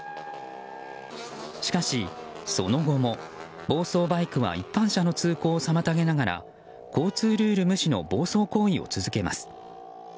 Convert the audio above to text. しかし、その後も、暴走バイクは一般車の通行を妨げながら交通ルール無視の暴走行為を続けます。